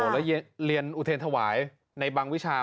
แล้วเรียนอุเทรนถวายในบางวิชา